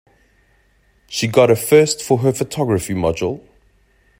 She got a first for her photography module.